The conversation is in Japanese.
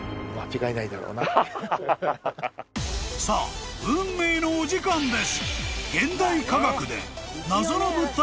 ［さあ運命のお時間です］